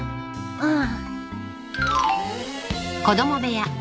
うん？